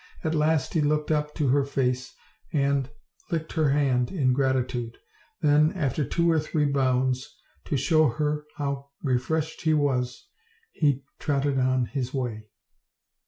At last he looked up to her face and licked her hand in gratitude; then, after two or three bounds, to show her how .refreshed he was, he trotted on his way.